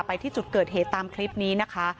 ไปที่จุดเกิดเหตุตามคลิปนี้นะคะ